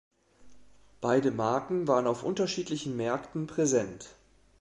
Beide Marken waren auf unterschiedlichen Märkten präsent.